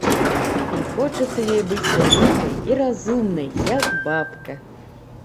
І хочацца ёй быць вялікай і разумнай, як бабка.